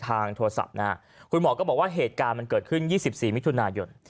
ทางโทรศัพท์นะฮะคุณหมอก็บอกว่าเหตุการณ์มันเกิดขึ้น๒๔มิถุนายน